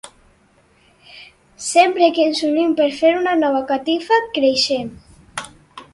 Sempre que ens unim per fer una nova catifa, creixem.